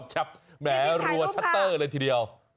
แหมรัวชัตเตอร์เลยทีเดียว